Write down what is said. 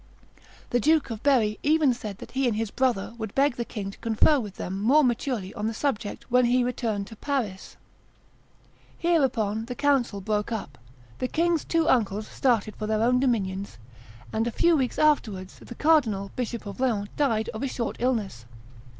The Duke of Berry even said that he and his brother would beg the king to confer with them more maturely on the subject when he returned to Paris. Hereupon the council broke up; the king's two uncles started for their own dominions; and a few weeks afterwards the Cardinal bishop of Laon died of a short illness.